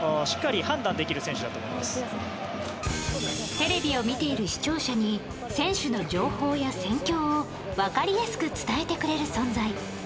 テレビを見ている視聴者に選手の情報や戦況を分かりやすく伝えてくれる存在。